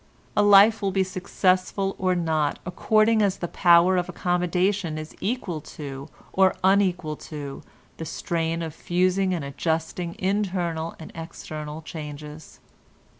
A life will be successful or not according as the power of accommodation is equal to or unequal to the strain of fusing and adjusting internal and external changes.